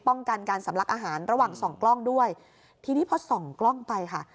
ป้องกันการสำลักอาหารระหว่างส่องกล้องด้วยทีนี้พอส่องกล้องไปค่ะ